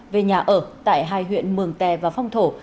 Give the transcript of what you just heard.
về nhà ở tại hai huyện mường tè và phong thổ